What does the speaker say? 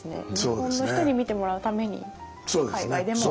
日本の人に見てもらうために海外でも。